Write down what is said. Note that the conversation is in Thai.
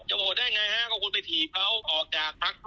จะโหวตได้ยังไงฮะก็คุณไปถีบเขาออกจากภักดิ์ภูมิรัฐบาล